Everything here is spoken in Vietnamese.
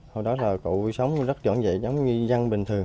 hồi đó là cụ sống rất dọn dẹp giống như dân bình thường